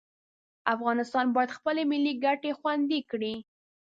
افغانستان باید خپلې ملي ګټې خوندي کړي.